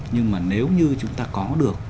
nhưng mà nếu như chúng ta có được